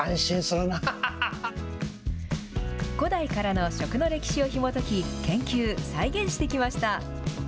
古代からの食の歴史をひもとき、研究、再現してきました。